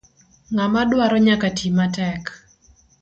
Ng'ama dwaro nyaka ti matek.